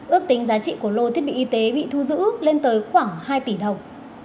ước tính giá trị của lô thiết bị y tế bị thu giữ lên tới khoảng hai tỷ đồng